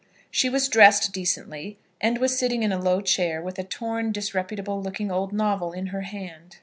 She was dressed decently, and was sitting in a low chair, with a torn, disreputable looking old novel in her hand.